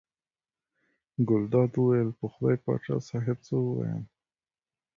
ګلداد وویل: په خدای پاچا صاحب څه ووایم.